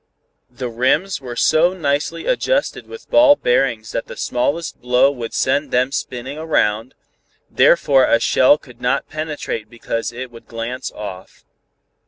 The rims were so nicely adjusted with ball bearings that the smallest blow would send them spinning around, therefore a shell could not penetrate because it would glance off.